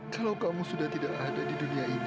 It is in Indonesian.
kalau kamu sudah tidak ada di dunia ini